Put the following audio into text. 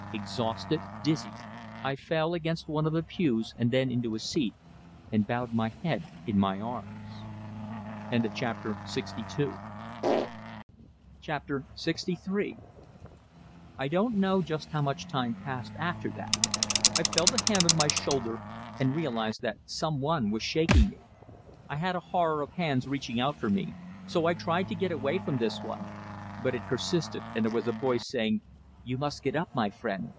Exhausted, dizzy, I fell against one of the pews, and then into a seat, and bowed my head in my arms. LXIII I don't know just how much time passed after that. I felt a hand on my shoulder, and realized that some one was shaking me. I had a horror of hands reaching out for me, so I tried to get away from this one; but it persisted, and there was a voice, saying, "You must get up, my friend.